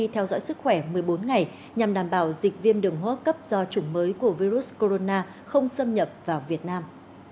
theo dõi sức khỏe một mươi bốn ngày nhằm đảm bảo dịch viêm đường hô hấp cấp do chủng mới của virus corona không xâm nhập vào việt nam